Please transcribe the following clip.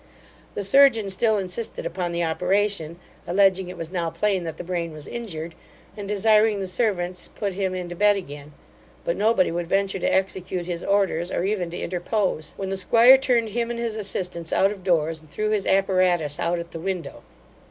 The Surgeon still insisted upon the operation, alleging it was now plain that the brain was injured, and desiring the servants put him into bed again; but nobody would venture to execute his orders, or even to interpose: when the 'squire turned him and his assistants out of doors, and threw his apparatus out at the window.